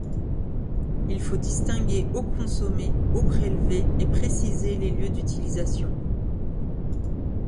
Il faut distinguer eau consommée, eau prélevée et préciser les lieux d'utilisation.